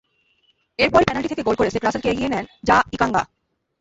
এরপরই পেনাল্টি থেকে গোল করে শেখ রাসেলকে এগিয়ে নেন জাঁ ইকাঙ্গা।